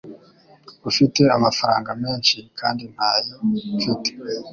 Ufite amafaranga menshi, kandi ntayo mfite.